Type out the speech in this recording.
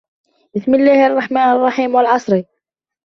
بِسْمِ اللَّهِ الرَّحْمَنِ الرَّحِيمِ وَالْعَصْرِ